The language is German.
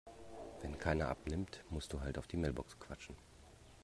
Wenn keiner abnimmt, musst du halt auf die Mailbox quatschen.